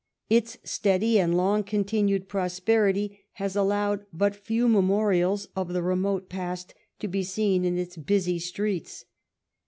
Its steady and long continued prosperity has allowed but few memorials of the remote past to be seen in its busy streets.